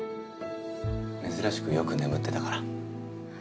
めずらしくよく眠ってたから。